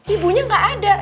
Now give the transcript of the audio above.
ibunya gak ada